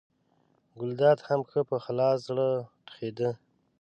ګلداد هم ښه په خلاص زړه ټوخېده.